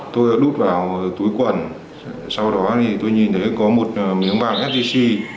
tôi đút vào túi quần sau đó tôi nhìn thấy có một miếng vàng sgc